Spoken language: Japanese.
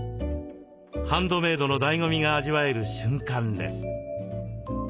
ハンドメードのだいご味が味わえる瞬間です。